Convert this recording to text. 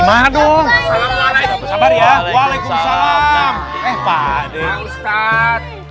aduh gimana tuh